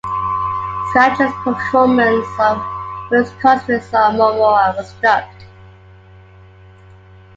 Scacchi's performance of Maria Cosway's song, "Mormora," was dubbed.